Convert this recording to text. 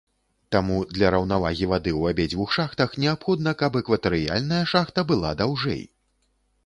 Таму для раўнавагі вады ў абедзвюх шахтах неабходна, каб экватарыяльная шахта была даўжэй.